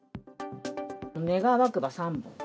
願わくば３本。